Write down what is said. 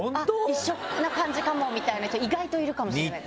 一緒な感じかもみたいな人意外といるかもしれないです。